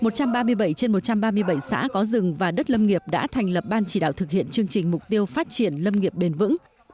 một trăm ba mươi bảy trên một trăm ba mươi bảy xã có rừng và đất lâm nghiệp đã thành lập ban chỉ đạo thực hiện chương trình mục tiêu phát triển lâm nghiệp bền vững